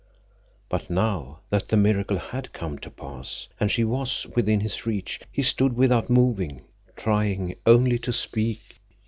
But now that the miracle had come to pass, and she was within his reach, he stood without moving, trying only to speak.